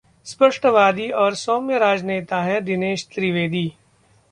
स्पष्टवादी और सौम्य राजनेता हैं दिनेश त्रिवेदी